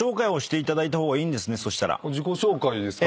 自己紹介ですか？